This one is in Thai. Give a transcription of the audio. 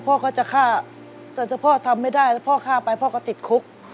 พ่อฆ่าไปพ่อก็ติดคุก